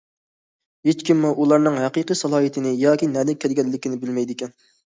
ھېچكىممۇ ئۇلارنىڭ ھەقىقىي سالاھىيىتىنى ياكى نەدىن كەلگەنلىكىنى بىلمەيدىكەن.